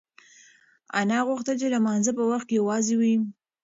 انا غوښتل چې د لمانځه په وخت کې یوازې وي.